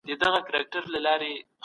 تیری کوونکي باید د قانون په منګولو کي وي.